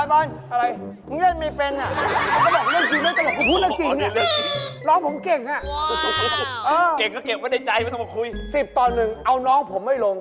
ไม่มีอะไรเลยเรื่องจริง